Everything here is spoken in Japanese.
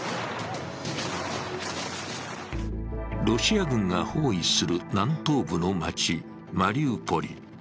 ロシア軍が包囲する南東部の街マリウポリ。